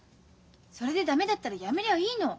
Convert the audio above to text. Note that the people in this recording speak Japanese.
それで駄目だったらやめりゃあいいの。